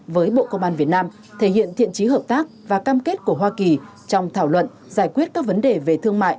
với bộ công an việt nam thể hiện thiện trí hợp tác và cam kết của hoa kỳ trong thảo luận giải quyết các vấn đề về thương mại